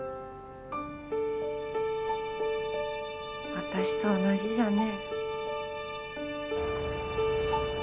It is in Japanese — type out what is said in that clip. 私と同じじゃね。